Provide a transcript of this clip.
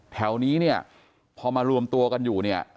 แถวนี้เนี่ยพอมารวมตัวกันอยู่เนี่ย